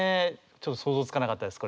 ちょっと想像つかなかったです